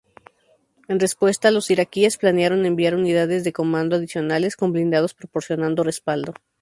En respuesta, los iraquíes planearon enviar unidades de comando adicionales con blindados proporcionando respaldo.